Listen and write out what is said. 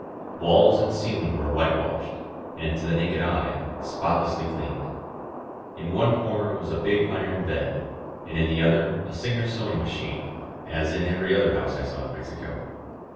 Walls and ceiling were whitewashed, and, to the naked eye, spotlessly clean. In one comer was a big iron bed, and in the other a Singer sewing ma chine, as in every other house I saw in Mexico.